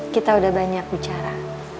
kita udah banyak bicara